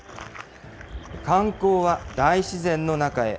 観光は大自然の中へ。